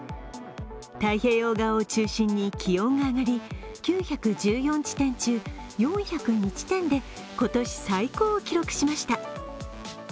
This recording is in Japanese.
太平洋側を中心に気温が上がり、９１４地点中４０２地点で今年最高を記録しました。